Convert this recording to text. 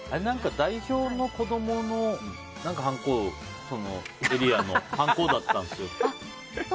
代表の子供のはんこそのエリアのはんこだったんですよ。